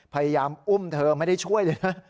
พยายามอุ้มเธอไม่ได้ช่วยเลยนะ